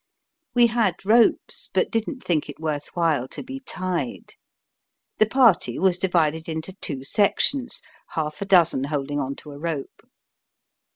We had ropes, but didn't think it worth while to be tied. The party was divided into two sections, half a dozen holding on to a rope.